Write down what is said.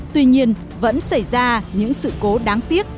tuy nhiên vẫn xảy ra những sự cố đáng tiếc